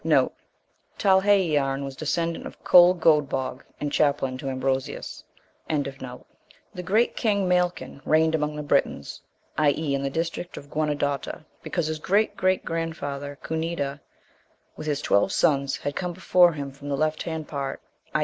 * Talhaiarn was a descendant of Coel Godebog, and chaplain to Ambrosius. The great king, Mailcun,* reigned among the Britons, i.e. in the district of Guenedota, because his great great grandfather, Cunedda, with his twelve sons, had come before from the left hand part, i.